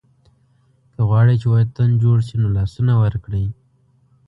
که غواړئ چې وطن جوړ شي نو لاسونه ورکړئ.